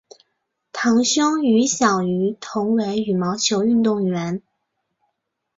堂兄于小渝同为羽毛球运动员。